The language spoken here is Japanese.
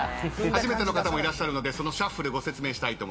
初めての方もいらっしゃるのでそのシャッフルご説明したいと思います。